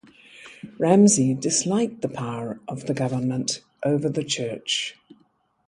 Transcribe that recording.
Ramsey disliked the power of the government over the church.